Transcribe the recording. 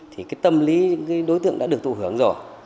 thì cái tâm lý đối tượng đã được thụ hướng rồi